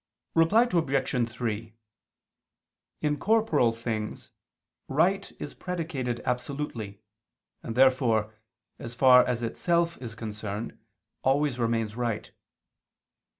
Reply Obj. 3: In corporal things, right is predicated absolutely: and therefore, as far as itself is concerned, always remains right.